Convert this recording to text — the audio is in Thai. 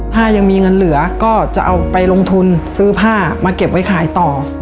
ถ้ายังมีเงินเหลือก็จะเอาไปลงทุนซื้อผ้ามาเก็บไว้ขายต่อ